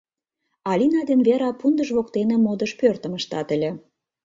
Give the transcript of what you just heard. Алина ден Вера пундыш воктене модыш пӧртым ыштат ыле.